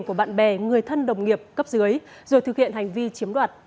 của bạn bè người thân đồng nghiệp cấp dưới rồi thực hiện hành vi chiếm đoạt